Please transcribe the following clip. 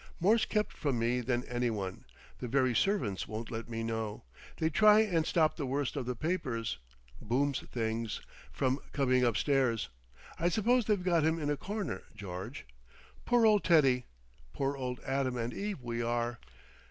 "More's kept from me than anyone. The very servants won't let me know. They try and stop the worst of the papers—Boom's things—from coming upstairs.... I suppose they've got him in a corner, George. Poor old Teddy! Poor old Adam and Eve we are!